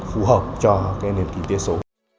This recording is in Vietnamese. phù hợp cho cái nền kinh tế số